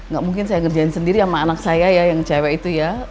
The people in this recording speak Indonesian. gak mungkin saya ngerjain sendiri sama anak saya ya yang cewek itu ya